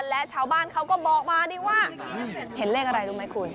และชาวบ้านเขาก็บอกมาดิว่าเห็นเลขอะไรรู้ไหมคุณ